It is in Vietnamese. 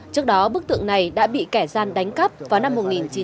trước đó bức tượng này đã bị kẻ gian đánh cắp vào năm một nghìn chín trăm bảy mươi